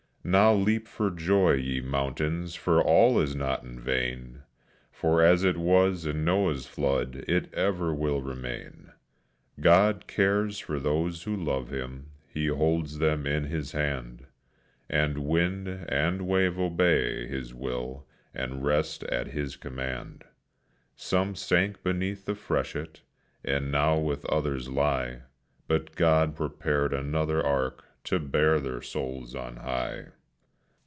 Now leap for joy, ye mountains, for all is not in vain! For as it was in Noah's flood, it ever will remain! God cares for those who love Him; He holds them in His hand, And wind and wave obey His will, and rest at His command; Some sank beneath the freshet, and now with others lie, But God prepared another ark to bear their souls on high.